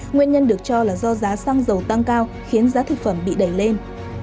nguyên nhân được cho là do giá xăng dầu tăng cao khiến giá thực phẩm bị đẩy lên